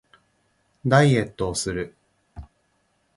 ダイエットをする